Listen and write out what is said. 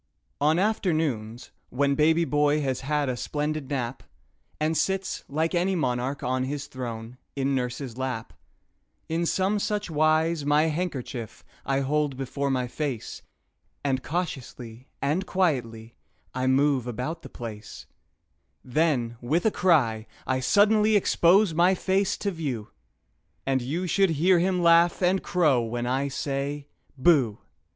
"BOOH!" On afternoons, when baby boy has had a splendid nap, And sits, like any monarch on his throne, in nurse's lap, In some such wise my handkerchief I hold before my face, And cautiously and quietly I move about the place; Then, with a cry, I suddenly expose my face to view, And you should hear him laugh and crow when I say "Booh"!